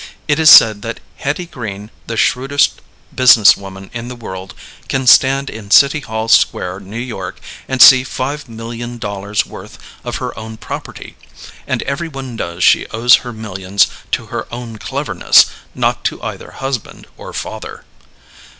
It is said that Hetty Green, the shrewdest business woman in the world, can stand in City Hall Square, New York, and see five million dollars' worth of her own property; and every one knows she owes her millions to her own cleverness, not to either husband or father.